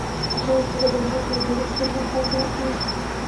لویه جرګه د ملت د ادارې ستر مظهر ګڼل کیږي.